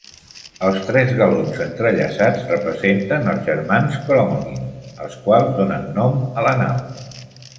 Els tres galons entrellaçats representen els germans Crommelin els quals donen nom a la nau.